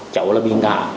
cháu là bị ngã